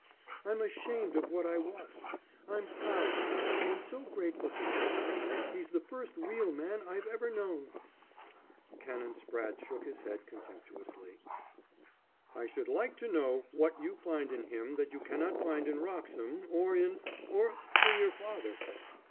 I'm ashamed of what I was. I'm proud now, and so grateful to him. He's the first real man I've ever known." Canon Spratte shook his head contemptuously. "I should like to know what you find in him that you cannot find in Wroxham or in or in your father."